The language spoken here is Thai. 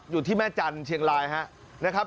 อยู่ที่แม่จันทร์เชียงรายนะครับ